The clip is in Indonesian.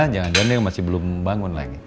jangan jangan yang masih belum bangun lagi